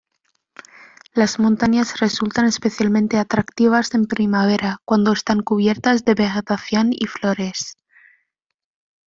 Las montañas resultan especialmente atractivas en primavera, cuando están cubiertas de vegetación y flores.